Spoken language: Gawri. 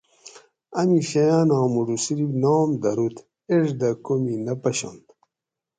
امی شیاناں مُوٹو صرف ناۤم دروت ایڄ دہ کومی نہ پشنت